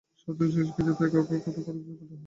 সব তহবিল শেষ হয়ে গেছে তাই কাউকে তো খরচ জোগাতেই হবে।